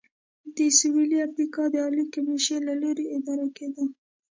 د سوېلي افریقا د عالي کمېشۍ له لوري اداره کېده.